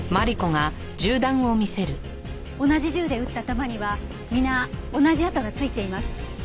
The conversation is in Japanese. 同じ銃で撃った弾には皆同じ跡が付いています。